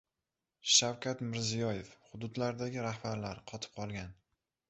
Shavkat Mirziyoyev: «Hududlardagi rahbarlar «qotib qolgan»